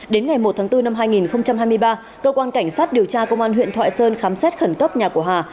đến ngày một tháng bốn năm hai nghìn hai mươi ba cơ quan cảnh sát điều tra công an huyện thoại sơn khám xét khẩn cấp nhà của hà